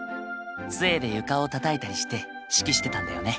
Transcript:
つえで床をたたいたりして指揮してたんだよね。